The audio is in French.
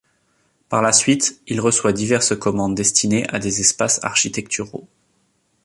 Par la suite il reçoit diverses commandes destinées à des espaces architecturaux.